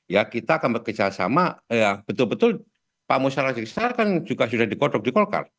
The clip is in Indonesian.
ya kita akan bekerjasama betul betul pak musyara jaksa kan juga sudah dikotok di golkar